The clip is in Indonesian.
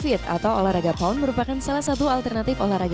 pomfit atau olahraga pom merupakan salah satu alternatif olahraga